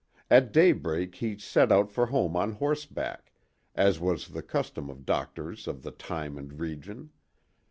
At daybreak he set out for home on horseback, as was the custom of doctors of the time and region.